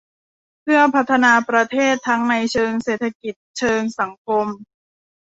เพื่อพัฒนาประเทศทั้งในเชิงเศรษฐกิจเชิงสังคม